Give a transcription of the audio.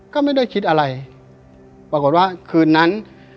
ก็ไม่ได้คิดอะไรปรากฏว่าคืนนั้น